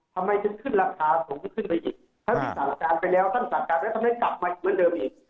ทำไมถึงขึ้นราคาสูงขึ้นไปอีกถ่ายสั่งการไปแล้วทำไมกลับมาอีกอย่างเดิมอีก